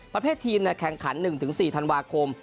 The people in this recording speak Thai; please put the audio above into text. ประเภททีมแข่งขัน๑๔ธันวาคม